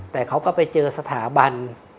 แต่เขาก็ไปเจอสถาบัน